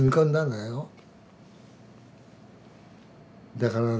だからね